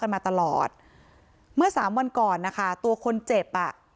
เมื่อสามวันก่อนตัวคนเจ็บค่ะ